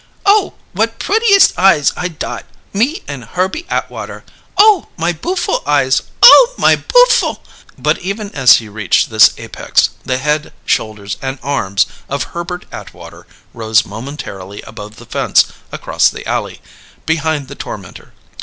"Oh, what prettiest eyes I dot! Me and Herbie Atwater! Oh, my booful eyes! Oh, my booful " But even as he reached this apex, the head, shoulders, and arms of Herbert Atwater rose momentarily above the fence across the alley, behind the tormentor.